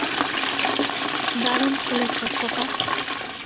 দারুণ খেলেছো, খোকা।